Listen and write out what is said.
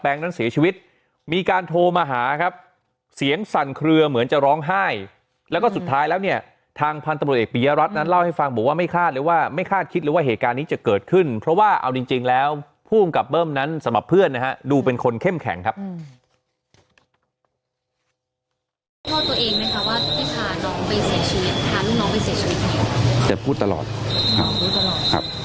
เอาจริงแล้วผู้กำกับเบิ้มนั้นสำหรับเพื่อนนะฮะดูเป็นคนเข้มแข็งครับ